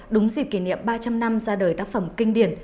đúng dịp kỷ niệm ba trăm linh năm ra đời tác phẩm kinh điển